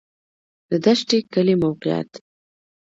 د دشټي کلی موقعیت